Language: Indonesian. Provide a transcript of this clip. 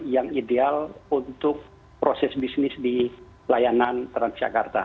yang ideal untuk proses bisnis di layanan transjakarta